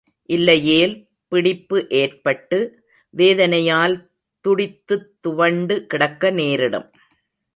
இல்லையேல் பிடிப்பு ஏற்பட்டு, வேதனையால் துடித்துத் துவண்டு கிடக்க நேரிடும்.